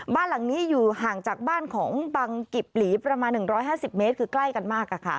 บ้านหลังนี้อยู่ห่างจากบ้านของบังกิบหลีประมาณหนึ่งร้อยห้าสิบเมตรคือใกล้กันมากอะค่ะ